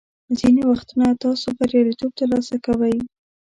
ځینې وختونه تاسو بریالیتوب ترلاسه کوئ.